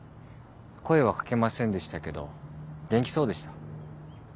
声は掛けませんでしたけど元気そうでした。